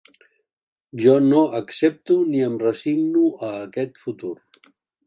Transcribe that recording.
Jo no accepto ni em resigno a aquest futur.